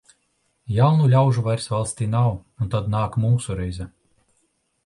Jaunu ļaužu vairs valstī nav, un tad nāk mūsu reize.